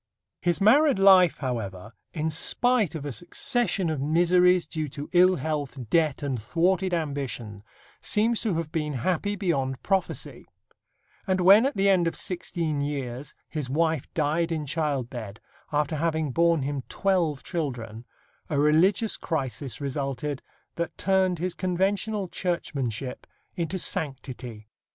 His married life, however, in spite of a succession of miseries due to ill health, debt and thwarted ambition, seems to have been happy beyond prophecy; and when at the end of sixteen years his wife died in childbed, after having borne him twelve children, a religious crisis resulted that turned his conventional churchmanship into sanctity.